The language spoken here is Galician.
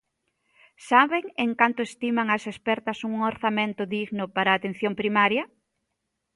¿Saben en canto estiman as expertas un orzamento digno para a atención primaria?